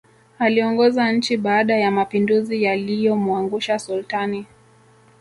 Aliongoza nchi baada ya mapinduzi yaliyomwangusha Sultani